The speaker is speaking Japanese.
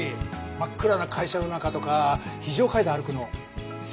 真っ暗な会社の中とか非常階段歩くの最高だよね。